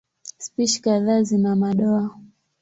Spishi kadhaa zina madoa.